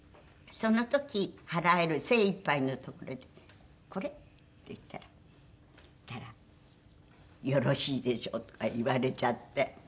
その時払える精いっぱいのところで「これ？」って言ったらそしたら「よろしいでしょう」とか言われちゃって。